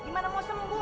gimana mau sembuh